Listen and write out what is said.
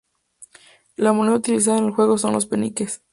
La moneda utilizada en el juego son los peniques.